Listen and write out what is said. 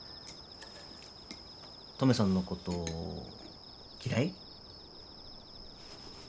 トメさんのこときらい？